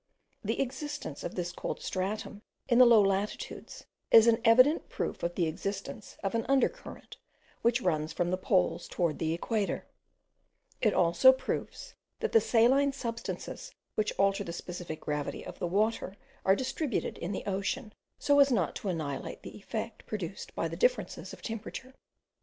The existence of this cold stratum in the low latitudes is an evident proof of the existence of an under current, which runs from the poles towards the equator: it also proves that the saline substances which alter the specific gravity of the water, are distributed in the ocean, so as not to annihilate the effect produced by the differences of temperature.